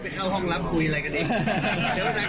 สมบัติการพลังมีชาติรักษ์ได้หรือเปล่า